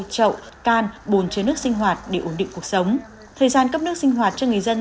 trậu can bồn chứa nước sinh hoạt để ổn định cuộc sống thời gian cấp nước sinh hoạt cho người dân